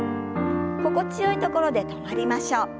心地よいところで止まりましょう。